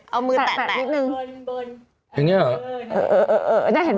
เอามือแตบแบดนิดนึง